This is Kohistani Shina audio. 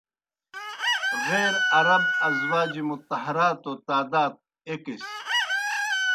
غیر عرب ازواج مطہراتوْ تعداد ایْکِس۔